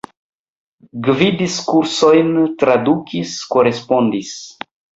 Gvidis kursojn, tradukis, korespondis.